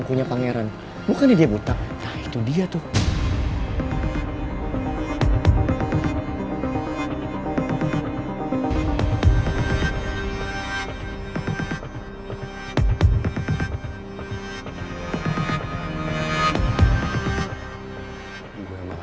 gue malah bisa berhenti mikirin lo